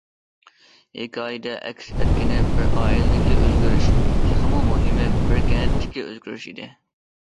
ھېكايىدە ئەكس ئەتكىنى بىر ئائىلىدىكى ئۆزگىرىش، تېخىمۇ مۇھىمى بىر كەنتتىكى ئۆزگىرىش ئىدى.